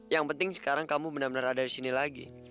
yang penting sekarang kamu benar benar ada di sini lagi